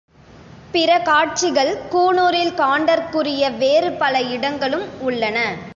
பிற காட்சிகள் கூனூரில் காண்டற்குரிய வேறு பல இடங்களும் உள்ளன.